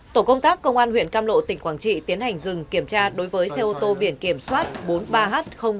tổ công tác công an huyện cam lộ tỉnh quảng trị tiến hành dừng kiểm tra đối với xe ô tô biển kiểm soát bốn mươi ba h hai nghìn chín mươi chín